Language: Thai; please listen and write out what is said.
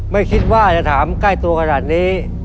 ไม่คิดว่าจะถามใกล้ตัวขนาดนี้